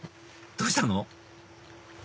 どうしたの？